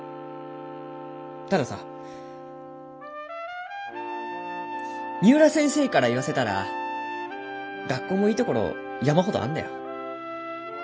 たださ三浦先生から言わせたら学校もいいところ山ほどあんだよ。